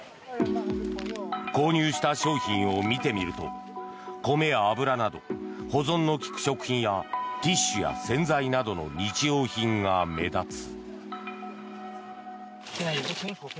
購入した商品を見てみると米や油など保存の利く食品やティッシュや洗剤などの日用品が目立つ。